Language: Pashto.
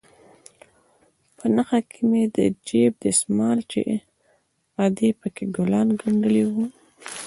په نخښه کښې مې د جيب دسمال چې ادې پکښې ګلان گنډلي وو.